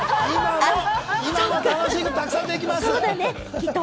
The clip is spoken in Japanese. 今も楽しいことたくさんできます。